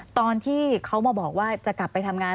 ตอนที่เขามาบอกว่าจะกลับไปทำงาน